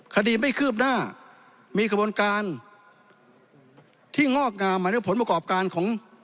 คดีไม่คืบหน้ามีกระบวนการที่งอกงามหมายด้วยผลประกอบการของ